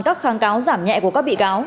các kháng cáo giảm nhẹ của các bị cáo